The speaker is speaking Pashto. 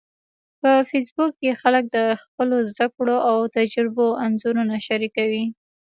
په فېسبوک کې خلک د خپلو زده کړو او تجربو انځورونه شریکوي